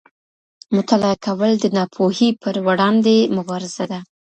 مطالعه کول د ناپوهۍ پر وړاندې مبارزه ده.